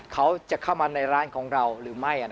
เขาจะเข้ามาในร้านของเราหรือไม่